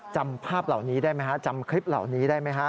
จำภาพเหล่านี้ได้ไหมฮะจำคลิปเหล่านี้ได้ไหมฮะ